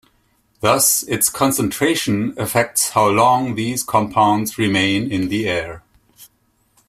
Thus, its concentration affects how long these compounds remain in the air.